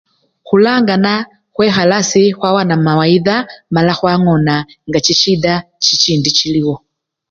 Khulangana khwekhala asii khwawana mawayida mala khwangona nga chisyida chichindi chiliwo.